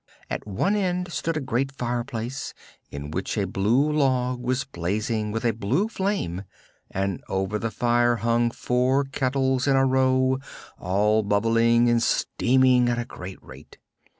At one end stood a great fireplace, in which a blue log was blazing with a blue flame, and over the fire hung four kettles in a row, all bubbling and steaming at a great rate.